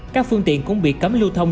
các phương tiện cũng bị cấm lưu thông